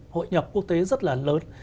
hội nhập quốc tế rất là lớn